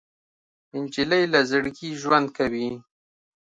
نجلۍ له زړګي ژوند کوي.